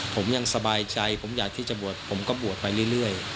ผมยังสบายใจผมอยากที่จะบวชผมก็บวชไปเรื่อย